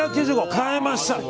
買えました！